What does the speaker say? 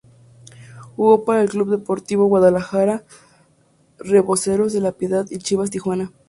Jugó para el Club Deportivo Guadalajara, Reboceros de La Piedad y Chivas Tijuana.